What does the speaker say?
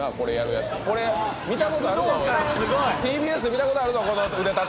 ＴＢＳで見たことあるぞこの腕立て。